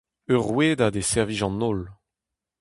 Ur rouedad e servij an holl.